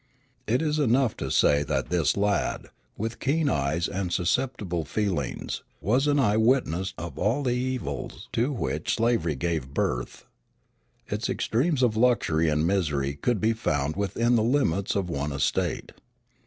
It is enough to say that this lad, with keen eyes and susceptible feelings, was an eye witness of all the evils to which slavery gave birth. Its extremes of luxury and misery could be found within the limits of one estate.